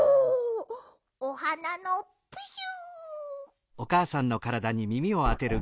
おはなのプシュ。